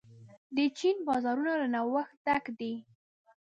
د چین بازارونه له نوښت ډک دي.